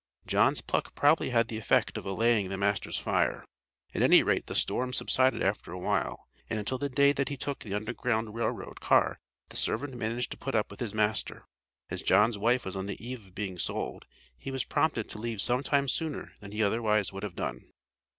John's pluck probably had the effect of allaying the master's fire; at any rate the storm subsided after awhile, and until the day that he took the Underground Rail Road car the servant managed to put up with his master. As John's wife was on the eve of being sold he was prompted to leave some time sooner than he otherwise would have done.